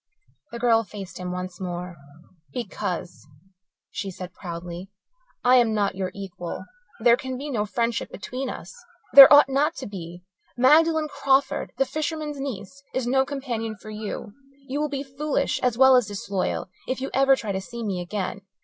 The girl faced him once more. "Because," she said proudly, "I am not your equal. There can be no friendship between us. There ought not to be. Magdalen Crawford, the fisherman's niece, is no companion for you. You will be foolish, as well as disloyal, if you ever try to see me again.